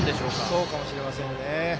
そうかもしれませんね。